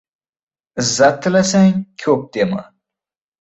Izzat tilasang, ko‘p dema.